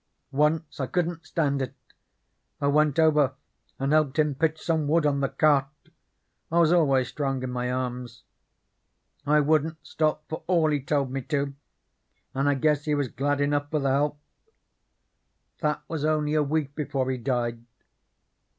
Once I couldn't stand it: I went over and helped him pitch some wood on the cart I was always strong in my arms. I wouldn't stop for all he told me to, and I guess he was glad enough for the help. That was only a week before he died.